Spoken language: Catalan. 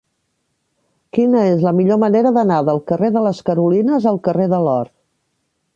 Quina és la millor manera d'anar del carrer de les Carolines al carrer de l'Or?